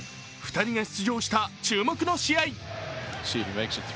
２人が出場した注目の試合。